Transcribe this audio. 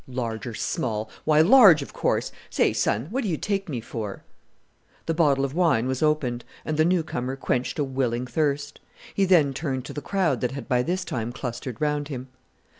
"Large or small! Why large, of course! Say, son, what do you take me for?" The bottle of wine was opened, and the new comer quenched a willing thirst. He then turned to the crowd that had by this time clustered round him.